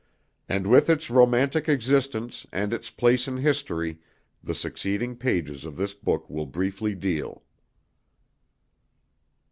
And with its romantic existence and its place in history the succeeding pages of this book will briefly deal.